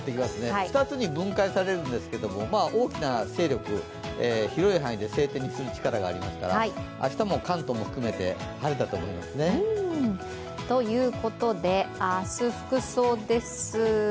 ２つの分解されるんですが、大きな勢力、広い範囲で晴天にする力がありますから、明日も関東も含めて晴れだと思いますね。ということで、明日、服装です。